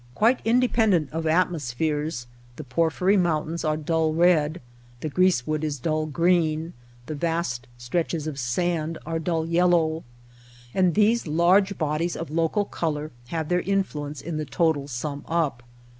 Quite independent of atmospheres, the porphyry mountains are dull red, the grease wood is dull green, the vast stretches of sand are dull yellow. And these large bodies of local color have their influence in the total sum up.